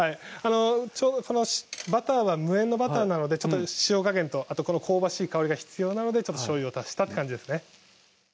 ちょうどこのバターは無塩のバターなので塩加減とあと香ばしい香りが必要なのでちょっとしょうゆを足したって感じですね